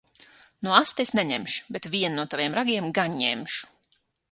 Nu asti es neņemšu. Bet vienu no taviem ragiem gan ņemšu.